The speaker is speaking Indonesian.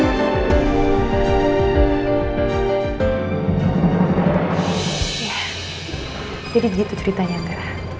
ya jadi gitu ceritanya angga